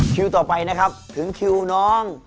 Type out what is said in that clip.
คิวต่อไปนะครับถึงคิวน้อง